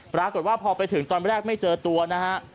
เอ่อแต่เราว่าพอไปถึงเมื่อแรกไม่เจอตัวนะครับ